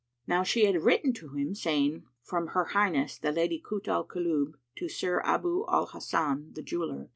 Now she had written to him, saying, "From Her Highness the Lady Kut al Kulub to Sir Abu al Hasan the jeweller.